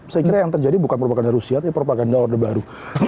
saya kira yang terjadi bukan propaganda rusia tapi propaganda orde baru